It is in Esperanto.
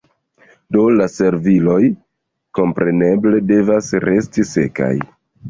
Do la serviloj, kompreneble, devas resti sekaj.